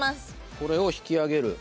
これを引き上げる。